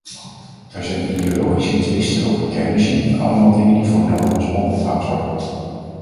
Er zijn ideologische twisten over kernenergie - allemaal dingen die voor nodeloos oponthoud zorgen.